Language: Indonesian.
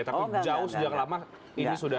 tapi jauh sejak lama ini sudah